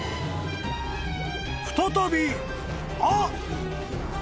［再び「あっ！」］